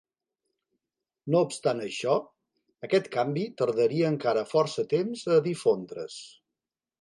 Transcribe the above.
No obstant això, aquest canvi tardaria encara força temps a difondre's.